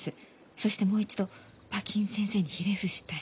そしてもう一度馬琴先生にひれ伏したい。